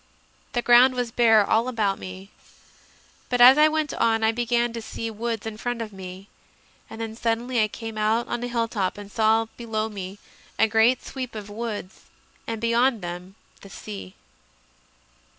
The ground was bare all about me, but as I went on I began to see woods in front, and then suddenly I came out on a hilltop and saw below me a great sweep of woods and beyond them the sea.